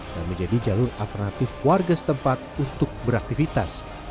dan menjadi jalur alternatif warga setempat untuk beraktivitas